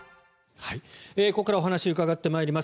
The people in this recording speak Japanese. ここからお話伺ってまいります。